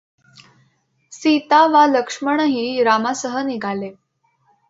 सीता वा लक्ष्मणही रामासह निघाले.